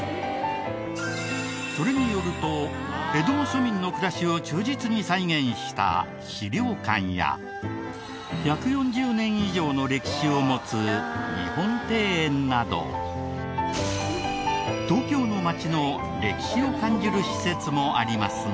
それによると江戸の庶民の暮らしを忠実に再現した資料館や１４０年以上の歴史を持つ日本庭園など。もありますが。